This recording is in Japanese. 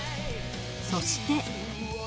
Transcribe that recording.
そして